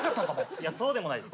いやそうでもないです。